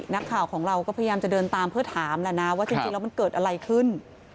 นักข่าวของเราก็พยายามจะเดินตามเพื่อถามแหละนะว่าจริงแล้วมันเกิดอะไรขึ้น